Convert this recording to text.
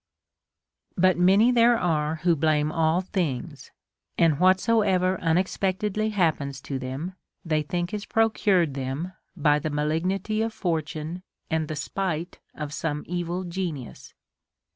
30. But many there are who blame all things ; and whatsoever unexpectedly happens to them, they think is procured them by the malignity of Fortune and the spite of some evil genius.